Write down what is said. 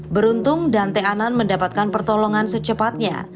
beruntung dan t anan mendapatkan pertolongan secepatnya